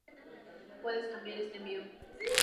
puedes cambiar este envío